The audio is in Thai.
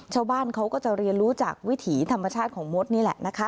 ชาวบ้านเขาก็จะเรียนรู้จากวิถีธรรมชาติของมดนี่แหละนะคะ